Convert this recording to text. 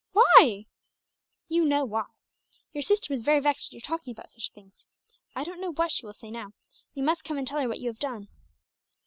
"Why?" "You know why. Your sister was very vexed at your talking about such things. I don't know what she will say now. You must come and tell her what you have done."